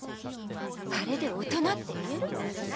あれで大人って言えるの？